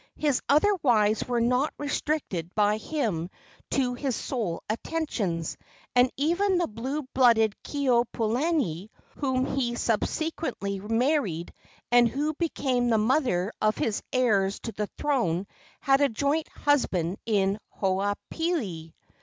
His other wives were not restricted by him to his sole attentions, and even the blue blooded Keopuolani, whom he subsequently married, and who became the mother of his heirs to the throne, had a joint husband in Hoapili.